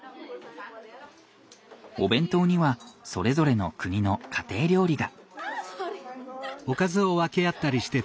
お弁当にはそれぞれの国の家庭料理が。